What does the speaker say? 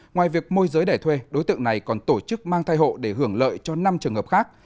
ngoài việc môi giới để thuê đối tượng này còn tổ chức mang thai hộ để hưởng lợi cho năm trường hợp khác